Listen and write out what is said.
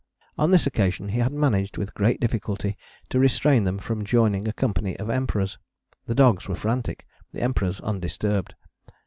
On this occasion he had managed with great difficulty to restrain them from joining a company of Emperors. The dogs were frantic, the Emperors undisturbed.